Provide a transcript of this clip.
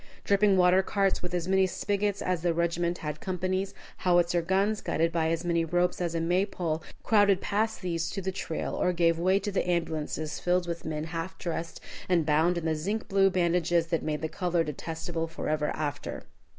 Dripping water carts with as many spigots as the regiment had companies, howitzer guns guided by as many ropes as a May pole, crowded past these to the trail, or gave way to the ambulances filled with men half dressed and bound in the zinc blue bandages that made the color detestable forever after.